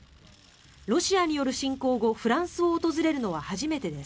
ロシアによる侵攻後フランスを訪れるのは初めてです。